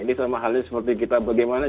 ini sama halnya seperti kita bagaimana